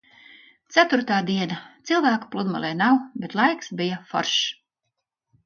Ceturtā diena. Cilvēku pludmalē nav, bet laiks bija foršs.